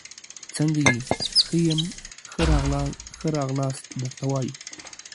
څنګه يي ، ښه يم، ښه راغلاست ، ښه راغلاست درته وایو